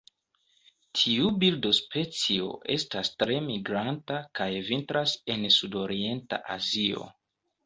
Tiu birdospecio estas tre migranta kaj vintras en sudorienta Azio.